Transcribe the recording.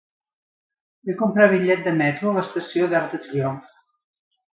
Vull comprar bitllet de metro a l'estació d'Arc de Triomf.